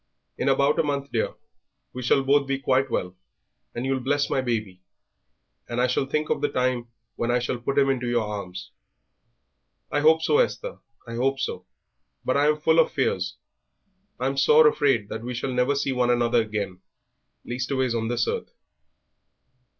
In about a month, dear, we shall be both quite well, and you'll bless my baby, and I shall think of the time when I shall put him into your arms." "I hope so, Esther; I hope so, but I am full of fears. I'm sore afraid that we shall never see one another again leastways on this earth."